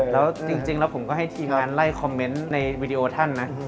แล้วจริงแล้วผมก็ให้ทีมงานไล่คอมเมนต์ในวีดีโอท่านนะ